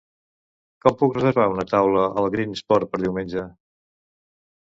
Com puc reservar una taula al Green Spot per diumenge?